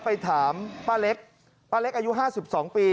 ไปถามป้าเล็กป้าเล็กอายุห้าสิบสองปี